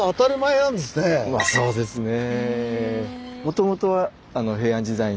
まあそうですねえ。